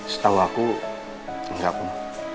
setahu aku enggak pun